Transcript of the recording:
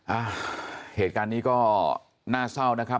อ้าวเหตุการณ์นี้ก็น่าเศร้านะครับ